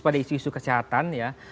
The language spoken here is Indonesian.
pada isu isu kesehatan